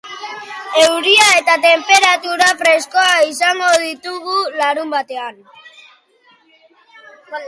Euria eta tenperatura freskoak izango ditugu larunbatean.